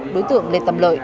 đối tượng lê tâm lợi